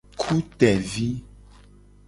Ku tevi.